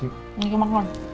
ini cuma keren